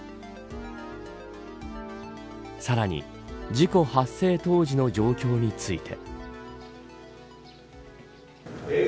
さらに、事故発生当時の状況について。